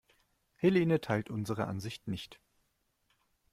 Helene teilt unsere Ansicht nicht.